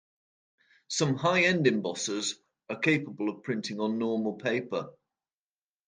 Some high-end embossers are capable of printing on normal paper.